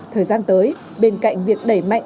thời gian tới bên cạnh việc đẩy mạnh